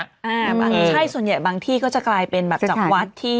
ใช่ส่วนใหญ่บางที่ก็จะกลายเป็นแบบจากวัดที่